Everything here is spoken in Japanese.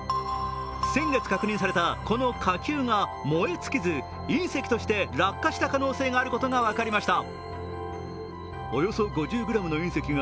先月確認されたこの火球が燃え尽きず隕石として落下した可能性があることが分かりました。